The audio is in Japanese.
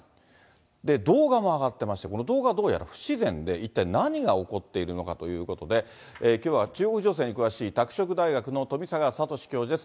で、動画も上がってまして、この動画はどうやら不自然で、一体何が起こっているのかということで、きょうは中国情勢に詳しい、拓殖大学の富坂聰教授です。